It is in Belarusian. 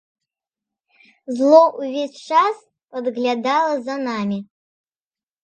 Зло ўвесь час падглядала за намі.